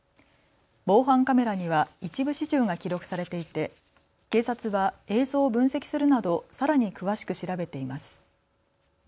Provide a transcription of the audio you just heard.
防犯カメラには一部始終が記録されていて警察は映像を分析するなどさらに詳しく調べています。